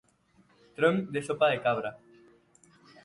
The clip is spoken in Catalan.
Tronc de Sopa de Cabra.